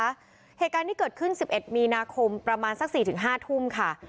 เฉการที่เกิดขึ้นจุดที่๑๑มีประมาณสัก๑๐ได้